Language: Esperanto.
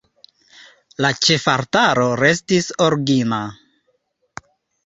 La ĉefaltaro restis origina.